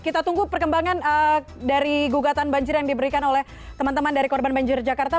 kita tunggu perkembangan dari gugatan banjir yang diberikan oleh teman teman dari korban banjir jakarta